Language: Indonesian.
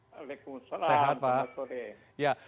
waalaikumsalam selamat sore